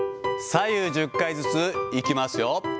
左右１０回ずついきますよ。